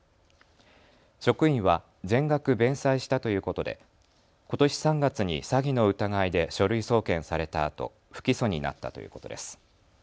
職員は全額、弁済したということでことし３月に詐欺の疑いで書類送検されたあと不起訴になったということです。